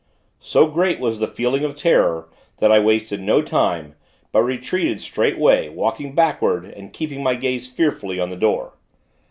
So great was the feeling of terror, that I wasted no time; but retreated straight way walking backward, and keeping my gaze, fearfully, on the door.